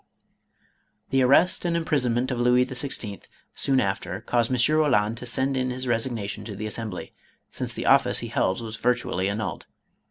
The arrest and imprisonment of Louis XYI. soon after, caused M. Eoland to send in his resignation to the Assembly, since the office he held was virtually annulled.